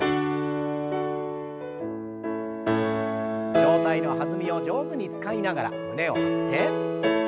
上体の弾みを上手に使いながら胸を張って。